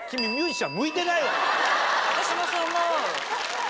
私もそう思う。